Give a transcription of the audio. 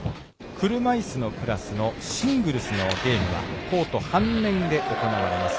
車いすのクラスのシングルスのゲームはコート半面で行われます。